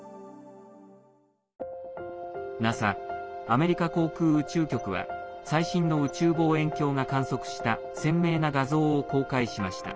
ＮＡＳＡ＝アメリカ航空宇宙局は最新の宇宙望遠鏡が観測した鮮明な画像を公開しました。